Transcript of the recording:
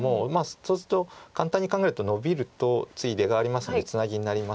そうすると簡単に考えるとノビると次出がありますのでツナギになりますので。